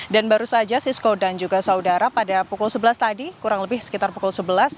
dan baru saja cisco dan juga saudara pada pukul sebelas tadi kurang lebih sekitar pukul sebelas